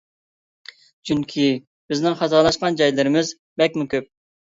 چۈنكى بىزنىڭ خاتالاشقان جايلىرىمىز بەكمۇ كۆپ.